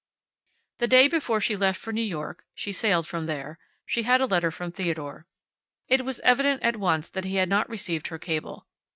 The day before she left for New York (she sailed from there) she had a letter from Theodore. It was evident at once that he had not received her cable.